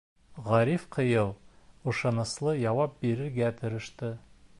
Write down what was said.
Ғариф ҡыйыу, ышаныслы яуап бирергә тырышты.